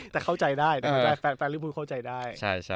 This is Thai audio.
แต่เข้าใจได้แฟนรึเข้าใจได้